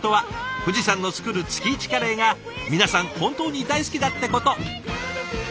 藤さんの作る月イチカレーが皆さん本当に大好きだってこと。